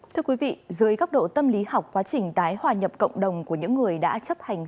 thưa quý vị dưới góc độ tâm lý học quá trình tái hòa nhập cộng đồng của những người đã chấp hành